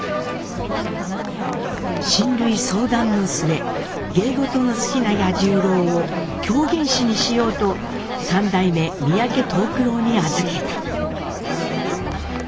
「親類相談の末藝事の好きな八十郎を狂言師にしようと三代目三宅藤九郎に預けた」。